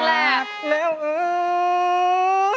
แบบอั